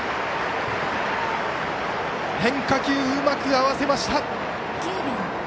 変化球、うまく合わせました。